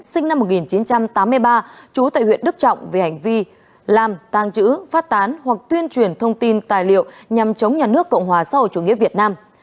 sinh năm một nghìn chín trăm tám mươi ba trú tại huyện đức trọng về hành vi làm tàng trữ phát tán hoặc tuyên truyền thông tin tài liệu nhằm chống nhà nước cộng hòa xã hội chủ nghĩa việt nam